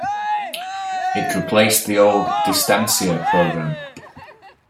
It replaced the old "Distancia" program.